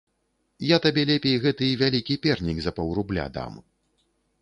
Я табе лепей гэты вялікі пернік за паўрубля дам!